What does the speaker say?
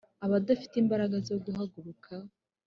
abadafite imbaraga zo guhaguruka